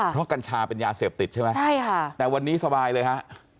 เพราะกัญชาเป็นยาเสพติดใช่ไหมใช่ค่ะแต่วันนี้สบายเลยฮะ